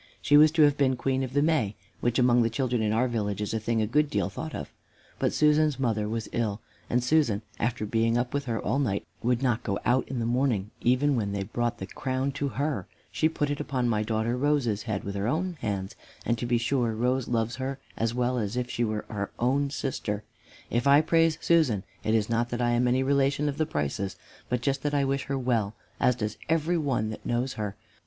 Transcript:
She was to have been Queen of the May, which among the children in our village is a thing a good deal thought of. But Susan's mother was ill, and Susan, after being up with her all night, would not go out in the morning, even when they brought the crown to her. She put it upon my daughter Rose's head with her own hands, and to be sure Rose loves her as well as if she were her own sister. If I praise Susan it is not that I am any relation of the Prices, but just that I wish her well, as does every one that knows her.